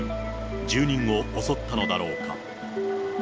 住人を襲ったのだろうか。